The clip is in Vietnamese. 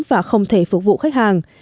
và không thể phục vụ khách hàng